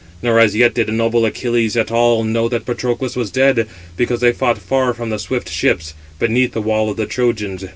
Nor as yet did noble Achilles at all know that Patroclus was dead, because they fought far from the swift ships, beneath the wall of the Trojans.